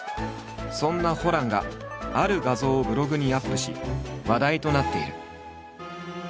そんなホランがある画像をブログにアップし話題となっている。